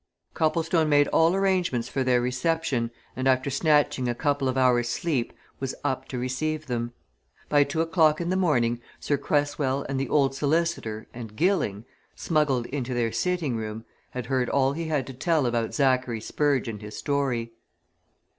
Copplestone made all arrangements for their reception, and after snatching a couple of hours' sleep was up to receive them. By two o'clock in the morning Sir Cresswell and the old solicitor and Gilling smuggled into their sitting room had heard all he had to tell about Zachary Spurge and his story.